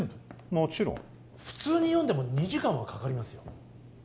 もちろん普通に読んでも２時間はかかりますよ